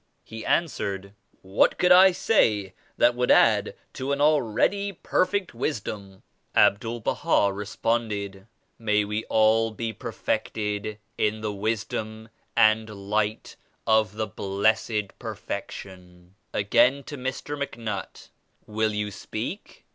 He answered, "What could I say that would add to an already perfect wisdom I" Abdul Baha responded: "May we all be perfected in the Wisdom and Light of the Blessed Perfection." Again to Mr. MacNutt, "Will you speak?"